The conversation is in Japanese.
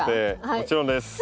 もちろんです！